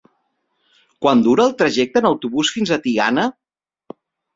Quant dura el trajecte en autobús fins a Tiana?